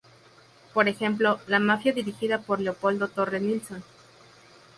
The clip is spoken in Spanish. Por ejemplo, "La maffia", dirigida por Leopoldo Torre Nilsson.